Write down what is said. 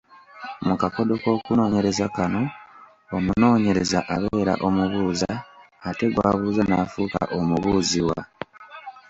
Mu kakodyo k’okunoonyereza kano, omunoonyereza abeera, omubuuza, ate gw’abuuza n’afuuka omubuuzibwa.